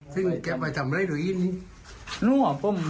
ซึ่งแกไปทำอะไรด้วยอีกนี้